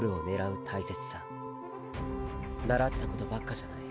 習ったことばっかじゃない。